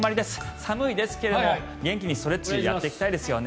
寒いですけれども元気にストレッチをやっていきたいですよね。